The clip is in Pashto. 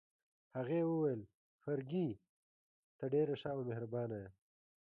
هغې وویل: فرګي، ته ډېره ښه او مهربانه يې.